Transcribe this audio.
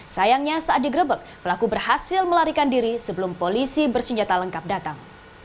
sayangnya saat digerebek pelaku berhasil melarikan diri sebelum polisi bersenjata lengkap datang